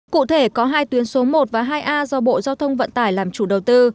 cụ thể có hai tuyến số một và hai a do bộ giao thông vận tải làm chủ đầu tư